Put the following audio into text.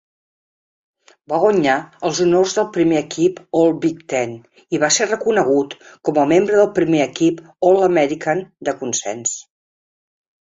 Va guanyar els honors del primer equip All-Big Ten i va ser reconegut com a membre del primer equip All-American de consens.